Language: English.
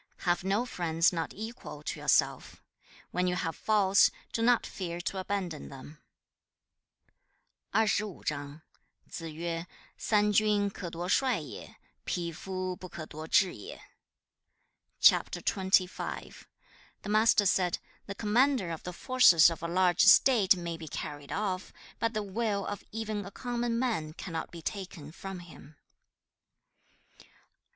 Have no friends not equal to yourself. When you have faults, do not fear to abandon them.' CHAP. XXV. The Master said, 'The commander of the forces of a large state may be carried off, but the will of even a common man cannot be taken from him.'